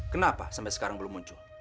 kenapa sampai sekarang belum muncul